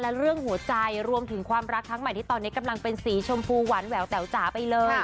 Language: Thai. และเรื่องหัวใจรวมถึงความรักครั้งใหม่ที่ตอนนี้กำลังเป็นสีชมพูหวานแหววแต๋วจ๋าไปเลย